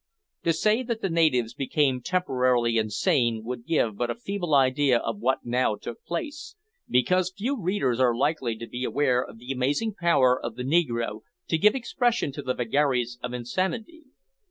To say that the natives became temporarily insane would give but a feeble idea of what now took place, because few readers are likely to be aware of the amazing power of the negro to give expression to the vagaries of insanity.